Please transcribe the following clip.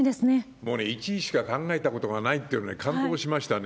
もうね、１位しか考えたことがないっていうのは感服しましたね。